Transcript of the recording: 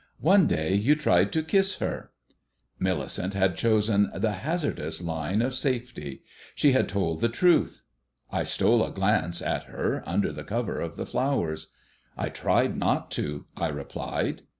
One day you tried to kiss her." Millicent had chosen the hazardous line of safety. She had told the truth. I stole a glance at her under cover of the flowers. "I tried not to," I replied.